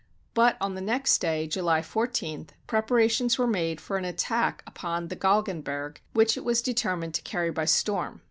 But on the next day (July 14), preparations were made for an attack upon the Gal genberg, which it was determined to carry by storm.